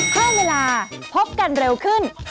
เพิ่มเวลาพบกันเร็วขึ้น